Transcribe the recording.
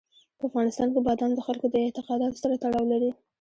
په افغانستان کې بادام د خلکو د اعتقاداتو سره تړاو لري.